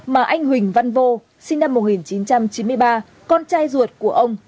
mà anh huỳnh văn vô sinh năm một nghìn chín trăm chín mươi ba con trai ruột của ông